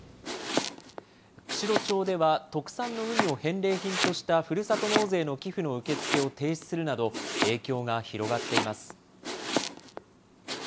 釧路町では、特産のウニを返礼品としたふるさと納税の寄付の受け付けを停止するなど、影響が広がっています。